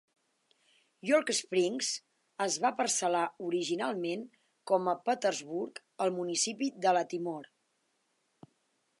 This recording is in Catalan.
York Springs es va parcel·lar originalment com a Petersburg al municipi de Latimore.